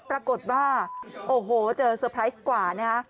ปรากฏว่าโอ้โหเจอเซอร์ไพรส์กว่านะฮะ